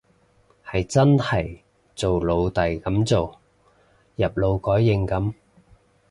係真係做奴隸噉做，入勞改營噉